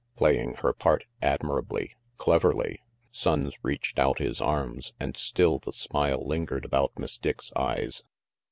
Playing her part, admirably, cleverly. Sonnes reached out his arms, and still the smile lingered about Miss Dick's eyes.